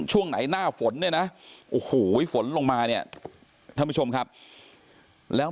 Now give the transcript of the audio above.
ช่วงไหนหน้าฝนเนี่ยนะโอ้โหฝนลงมาเนี่ยท่านผู้ชมครับแล้ว